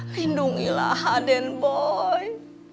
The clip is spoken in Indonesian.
lindungilah haden boy